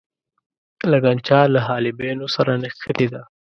لګنچه له حالبینو سره نښتې ده.